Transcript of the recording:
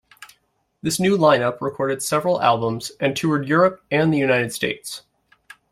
This new line-up recorded several albums and toured Europe and the United States.